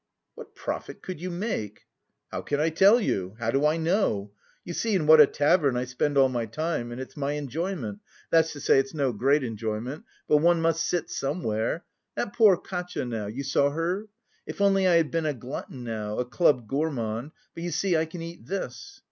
"What profit could you make?" "How can I tell you? How do I know? You see in what a tavern I spend all my time and it's my enjoyment, that's to say it's no great enjoyment, but one must sit somewhere; that poor Katia now you saw her?... If only I had been a glutton now, a club gourmand, but you see I can eat this."